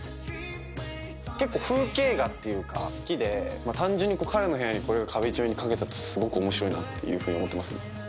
結構風景画っていうか好きで単純に彼の部屋にこれが壁一面に掛けてあったらすごく面白いなっていうふうに思ってます。